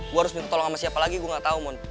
gue harus minta tolong sama siapa lagi gue gak tau moon